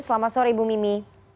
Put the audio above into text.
selamat sore ibu mimi